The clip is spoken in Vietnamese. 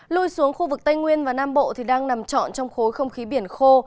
lui xuống khu vực tây nguyên và nam bộ đang nằm trọn trong khối không khí biển khô